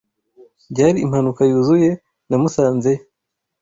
Byari impanuka yuzuye namusanzeyo.